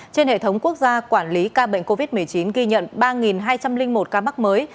trên hệ thống quốc gia quản lý ca bệnh covid một mươi chín ghi nhận ba hai trăm linh một ca mắc mới